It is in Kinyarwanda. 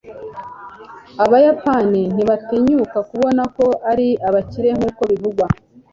Abayapani ntibatinyuka kubona ko ari abakire nkuko bivugwa